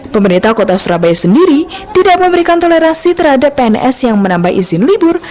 pemerintah kota surabaya sendiri tidak memberikan toleransi terhadap pns yang menambah izin libur